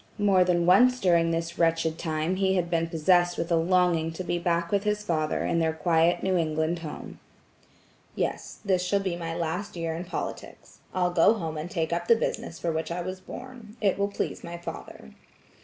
More than once during this wretched time he had been possessed with a longing to be back with his father in their quiet New England home. "Yes, this shall be my last year in politics. I'll go home and take up the business for which I was born; it will please my father."